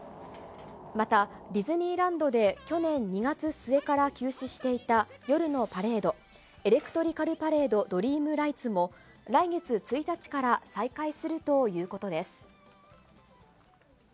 また、ディズニーランドで去年２月末から休止していた夜のパレード、エレクトリカルパレード・ドリームライツも、来月１日から再開するということです。